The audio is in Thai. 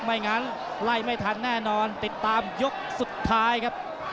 ไม่งั้นไล่ไม่ทันแน่นอนติดตามยกสุดท้ายครับ